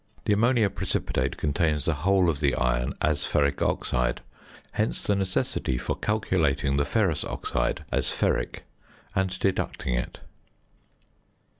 The ammonia precipitate contains the whole of the iron as ferric oxide; hence the necessity for calculating the ferrous oxide as ferric, and deducting it.